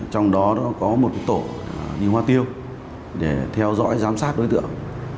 trong đó có một tổ đi hoa tiêu để theo dõi giám sát đối tượng